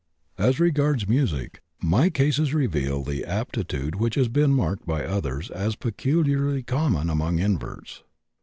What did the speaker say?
As regards music, my cases reveal the aptitude which has been remarked by others as peculiarly common among inverts.